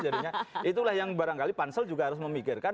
jadinya itulah yang barangkali pansel juga harus memikirkan